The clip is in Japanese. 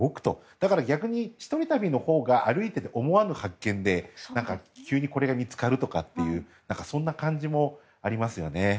だから、逆に一人旅のほうが歩いていて思わぬ発見で急にこれが見つかるとかっていうそんな感じもありますよね。